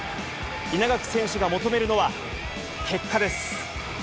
稲垣選手が求めるのは、結果です。